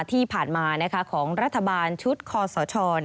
ที่ผ่านมาของรัฐบาลชุดคอสช